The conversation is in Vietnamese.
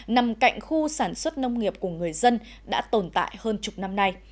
nằm cạnh khu sản xuất nông nghiệp của người dân đã tồn tại hơn chục năm nay